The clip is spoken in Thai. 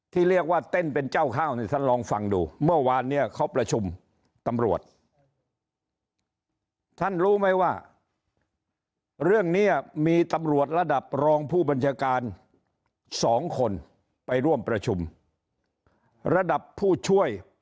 ที่เรียกว่าเต้นเป็นเจ้าข้าวนี่ท่านลองฟังดูเมื่อวานเนี่ยเขาประชุมตำรวจท่านรู้ไหมว่าเรื่องนี้มีตำรวจระดับรองผู้บัญชาการ๒คนไปร่วมประชุมระดับผู้ช่วย